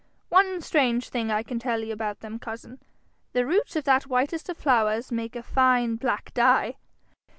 'One strange thing I can tell you about them, cousin the roots of that whitest of flowers make a fine black dye!